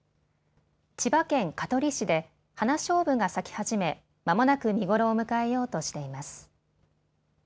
千葉県香取市でハナショウブが咲き始め、まもなく見頃を迎えようとしています。